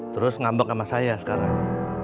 terus ngambek sama saya sekarang